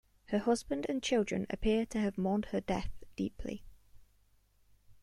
Her husband and children appear to have mourned her death deeply.